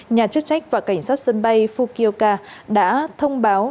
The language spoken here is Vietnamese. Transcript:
nhà chức trách và cảnh sát sân bay fukioka đã thông báo